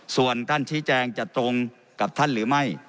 ส่วนท่านชี้แจงจะตรงกับท่านหรือไม่